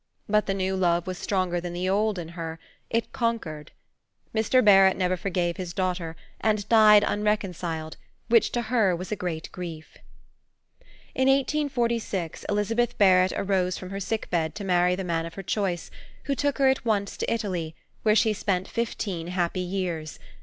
But the new love was stronger than the old in her, it conquered." Mr. Barrett never forgave his daughter, and died unreconciled, which to her was a great grief. In 1846, Elizabeth Barrett arose from her sick bed to marry the man of her choice, who took her at once to Italy, where she spent fifteen happy years.